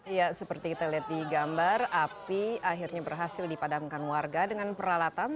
ya seperti kita lihat di gambar api akhirnya berhasil dipadamkan warga dengan peralatan